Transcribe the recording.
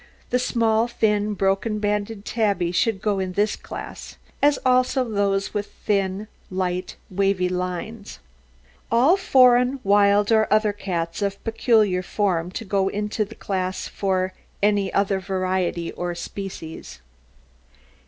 The small, thin, broken banded tabby should go in this class, as also those with thin, light, wavy lines. All foreign, wild, or other cats of peculiar form to go into the class for "any other variety or species."